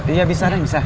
iya bisa deh bisa